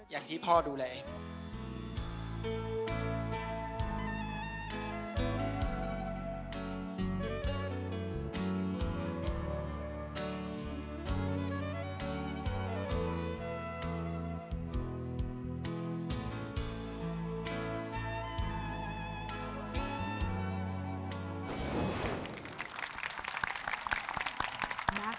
อย่างที่พ่อดูแลเอง